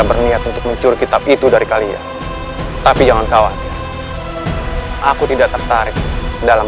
berniat untuk mencuri kitab itu dari kalian tapi jangan khawatir aku tidak tertarik dalam